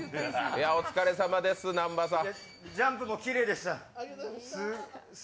お疲れさまです、南波さん。